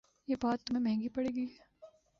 یہ بات تمہیں مہنگی پڑے گی